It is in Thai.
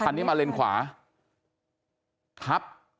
เองคันนี้มาเรนขวา